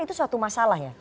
itu suatu masalah ya